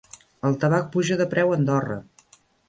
El tabac puja de preu a Andorra